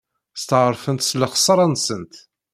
Steɛṛfent s lexṣara-nsent.